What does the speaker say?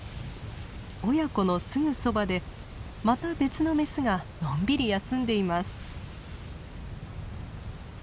親子のすぐそばでまた別のメスがのんびり休んでいます。